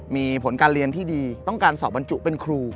มีผลการเรียนที่ดีต้องการสอบบรรจุเป็นครู